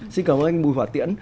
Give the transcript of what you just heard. xin cảm ơn anh bùi hỏa tiễn